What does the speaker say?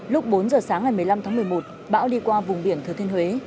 lúc bốn giờ sáng ngày một mươi năm tháng một mươi một bão đi qua vùng biển thừa thiên huế